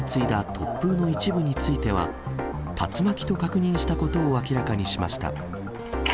突風の一部については、竜巻と確認したことを明らかにしました。